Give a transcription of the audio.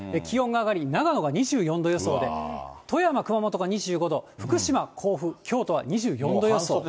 気温が上がり、長野が２４度予想で、富山、熊本が２５度、福島、甲府、京都は２４度予想。